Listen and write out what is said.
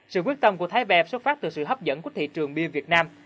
sự quyết tâm của thái ve xuất phát từ sự hấp dẫn của thị trường bia việt nam